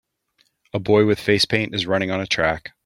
A boy with face paint is running on a track.